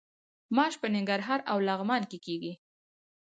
ماش په ننګرهار او لغمان کې کیږي.